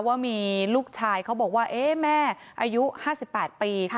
ว่ามีลูกชายเขาบอกว่าแม่อายุ๕๘ปี